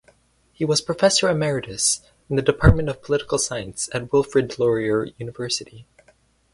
He was professor emeritus in the Department of Political Science at Wilfrid Laurier University.